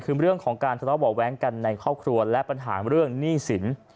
คือเรื่องของการทะเลาะเบาะแว้งกันในครอบครัวและปัญหาเรื่องหนี้สิน